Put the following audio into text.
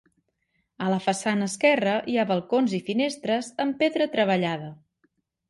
A la façana esquerra hi ha balcons i finestres amb pedra treballada.